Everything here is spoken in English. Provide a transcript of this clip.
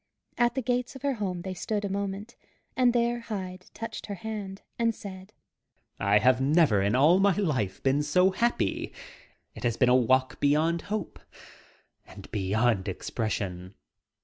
At the gates of her home they stood a moment, and there Hyde touched her hand, and said, "I have never, in all my life, been so happy. It has been a walk beyond hope, and beyond expression!"